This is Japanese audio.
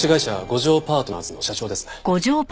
五条パートナーズの社長ですね。